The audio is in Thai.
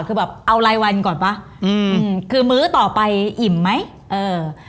คือแบบเอารายวันก่อนป่ะอืมคือมื้อต่อไปอิ่มไหมเออ